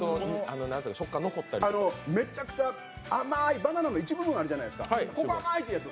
めちゃくちゃ甘いバナナの一部分あるじゃないですか、ここ甘いってやつ。